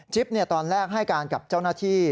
ตอนแรกให้การกับเจ้าหน้าที่